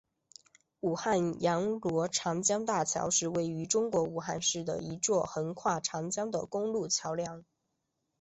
武汉阳逻长江大桥是位于中国武汉市的一座横跨长江的公路桥梁。